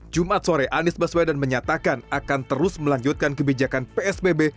jumat sore anies baswedan menyatakan akan terus melanjutkan kebijakan psbb